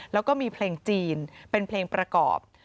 แล้วก็มีเพลงจีนเป็นเพลงประกอบ